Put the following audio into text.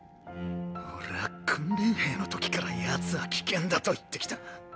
俺は訓練兵の時から奴は危険だと言ってきた。